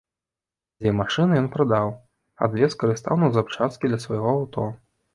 Дзве машыны ён прадаў, а дзве скарыстаў на запчасткі для свайго аўто.